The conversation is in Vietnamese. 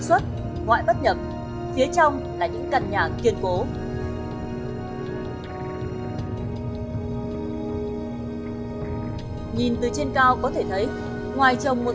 xuất ngoại bất nhập phía trong là những căn nhà kiên cố nhìn từ trên cao có thể thấy ngoài trồng một